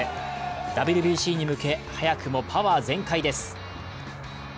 ＷＢＣに向け早くもパワー全開です。